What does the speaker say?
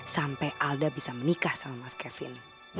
sampai alda bisa menikah sama mas kevin